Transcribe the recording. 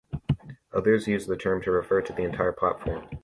Others use the term to refer to the entire platform.